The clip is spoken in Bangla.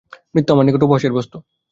মৃত্য আমার নিকট উপহাসের বস্তু।